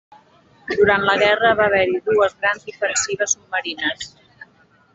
Durant la guerra va haver-hi dues grans ofensives submarines.